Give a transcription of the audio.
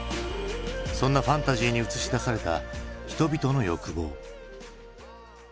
そんなファンタジーに映し出された人々の欲望。